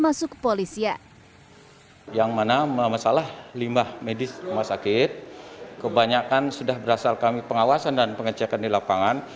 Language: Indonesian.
masalah limbah medis rumah sakit kebanyakan sudah berasal kami pengawasan dan pengecekan di lapangan